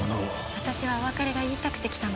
私はお別れが言いたくて来たの。